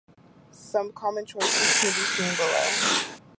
Some common choices can be seen below.